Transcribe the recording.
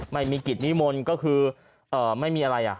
ไม่มีกิจนิมนต์ก็คือไม่มีอะไร